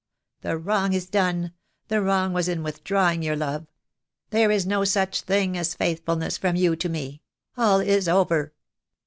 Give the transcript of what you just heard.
The wrong is done — the wrong was in withdrawing your love. There is no such thing as faithfulness from you to me. All is over."